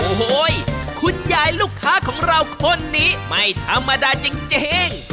โอ้โหคุณยายลูกค้าของเราคนนี้ไม่ธรรมดาจริง